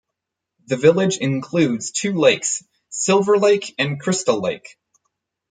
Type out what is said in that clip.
The village includes two lakes: Silver Lake and Crystal Lake.